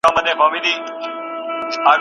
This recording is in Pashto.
هم یې وروڼه هم ورېرونه وه وژلي